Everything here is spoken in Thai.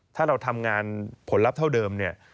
ถ้าเราทำงานผลลัพธ์เท่าเดิมเนี่ย